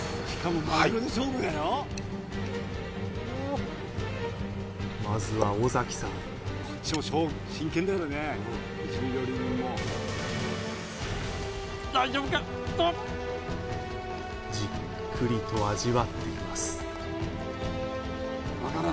はいまずは尾崎さんじっくりと味わっています